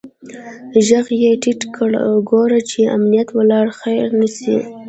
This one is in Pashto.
ږغ يې ټيټ کړ ګوره چې امنيت والا خبر نسي.